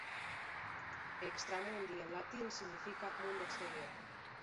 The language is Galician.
E Extramundi, en latín, significa mundo exterior.